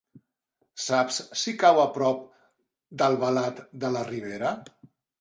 Saps si cau a prop d'Albalat de la Ribera?